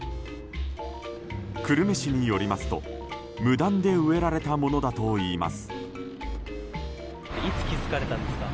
久留米市によりますと、無断で植えられたものだといいます。